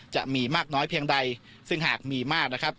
จะมีมากน้อยเพียงใดซึ่งหากมีมากนะครับ